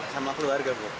sama keluarga bu